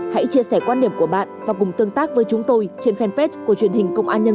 hãy chia sẻ quan điểm của bạn và cùng tương tác với chúng tôi trên fanpage của truyền hình công an nhân dân